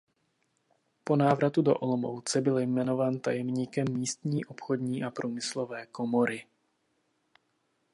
Po návratu do Olomouce byl jmenován tajemníkem místní obchodní a průmyslové komory.